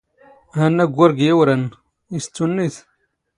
ⵀⴰ ⵏⵏ ⴰⴳⴳⵓⵔ ⴳ ⵢⵉⵡⵔ ⴰⵏⵏ, ⵉⵙ ⵜ ⵜⵓⵏⵏⵉⴷ.